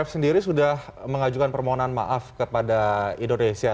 sendiri sudah mengajukan permohonan maaf kepada indonesia